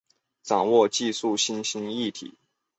掌握科技新兴议题